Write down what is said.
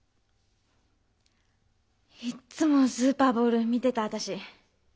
いつもスーパーボール見てた私。